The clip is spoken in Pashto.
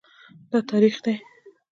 دا تریخ دی